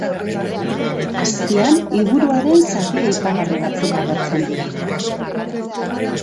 Azpian, liburuaren zati aipagarri batzuk agertzen dira.